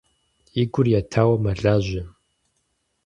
И гур етауэ мэлажьэ.